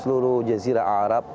seluruh jesira arab